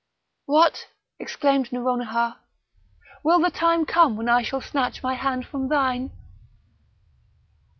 "What!" exclaimed Nouronihar; "will the time come when I shall snatch my hand from thine!"